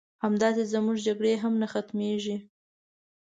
همداسې زمونږ جګړې هم نه ختميږي